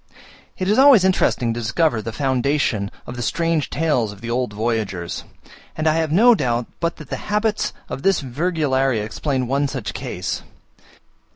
It is always interesting to discover the foundation of the strange tales of the old voyagers; and I have no doubt but that the habits of this Virgularia explain one such case.